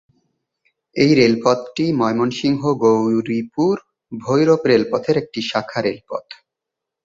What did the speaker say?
এই রেলপথটি ময়মনসিংহ-গৌরীপুর-ভৈরব রেলপথের একটি শাখা রেলপথ।